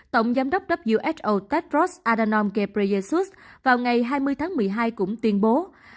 tổng giám đốc who tedros adhanom ghebreyesus vào ngày hai mươi tháng một mươi hai cũng tuyên bố